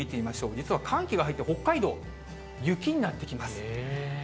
実は寒気が入って北海道、雪になってきます。